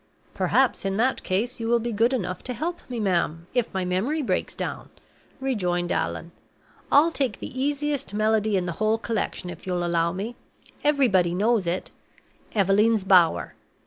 "Perhaps in that case you will be good enough to help me, ma'am, if my memory breaks down," rejoined Allan. "I'll take the easiest melody in the whole collection, if you'll allow me. Everybody knows it 'Eveleen's Bower.